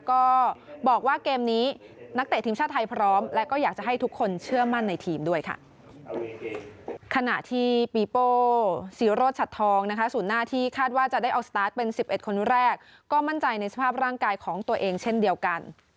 ก็บอกว่านักเตกทีมชาติไทยพร้อมและก็อยากจะให้ทุกคนเชื่อมั่นในทีมด้วยค่ะ